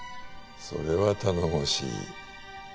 それは頼もしい。